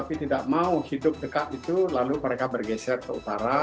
tapi tidak mau hidup dekat itu lalu mereka bergeser ke utara